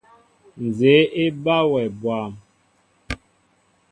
Nzѐe eba wɛ bwȃm.